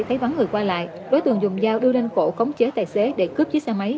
thấy vắng người qua lại đối tượng dùng dao đưa lên cổ khống chế tài xế để cướp chiếc xe máy